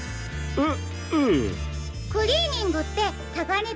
えっ？